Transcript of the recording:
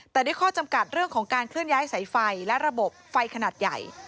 แต่ด้วยข้อจำกัดเรื่องของการเคลื่อนย้ายสายไฟและระบบไฟขนาดใหญ่